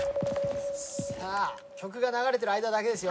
さあ曲が流れてる間だけですよ